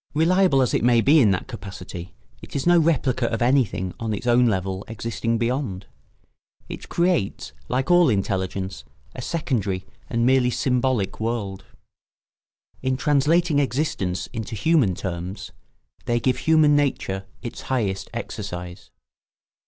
Reliable as it may be in that capacity, it is no replica of anything on its own level existing beyond. It creates, like all intelligence, a secondary and merely symbolic world. [Sidenote: In translating existence into human terms they give human nature its highest exercise.